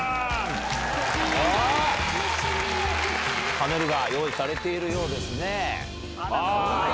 パネルが用意されているようですね。